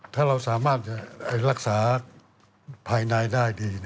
ถ้าเราสามารถจะรักษาภายในได้ดี